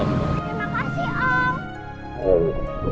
terima kasih om